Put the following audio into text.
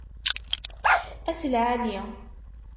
Ass lɛali!